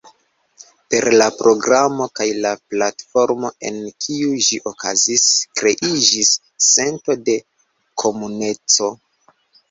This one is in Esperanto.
Per la programo kaj la platformo en kiu ĝi okazis, kreiĝis sento de komuneco.